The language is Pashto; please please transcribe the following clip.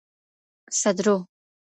سدرو